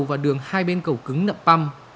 và đường hai bên cầu cứng nậm păm